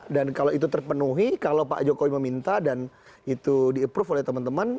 kalau itu terpenuhi kalau pak jokowi meminta dan itu di approve oleh teman teman